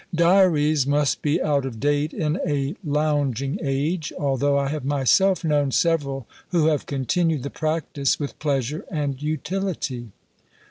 Diaries must be out of date in a lounging age, although I have myself known several who have continued the practice with pleasure and utility.